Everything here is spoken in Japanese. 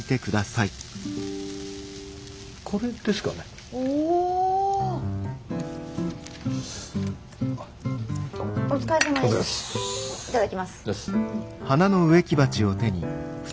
いただきます。